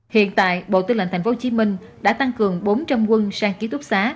hiện tại bộ tư lệnh tp hcm đã tăng cường bốn trăm linh quân sang ký túc xá